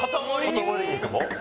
塊肉も。